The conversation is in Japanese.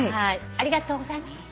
ありがとうございます。